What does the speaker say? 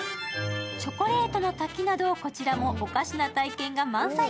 チョコレートの滝など、こちらもおかしな体験が満載。